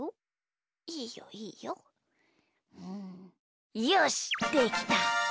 うんよしできた！